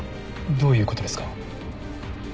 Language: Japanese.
どういう事ですか？